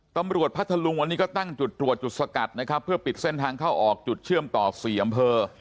พัทธลุงวันนี้ก็ตั้งจุดตรวจจุดสกัดนะครับเพื่อปิดเส้นทางเข้าออกจุดเชื่อมต่อ๔อำเภอ